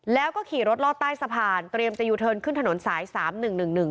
แล้วก็ขี่รถลอดใต้สะพานเตรียมจะยูเทิร์นขึ้นถนนสายสามหนึ่งหนึ่งหนึ่ง